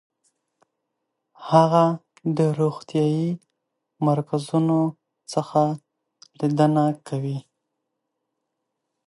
هغه د روغتیايي مرکزونو څخه لیدنه کوي.